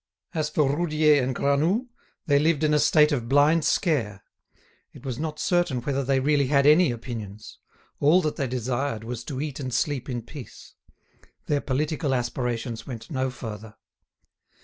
As for Roudier and Granoux, they lived in a state of blind scare; it was not certain whether they really had any opinions; all that they desired was to eat and sleep in peace; their political aspirations went no further.